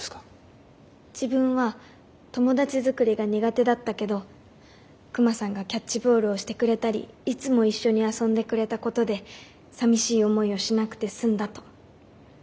自分は友達づくりが苦手だったけどクマさんがキャッチボールをしてくれたりいつも一緒に遊んでくれたことでさみしい思いをしなくて済んだと。